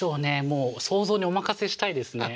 もう想像にお任せしたいですね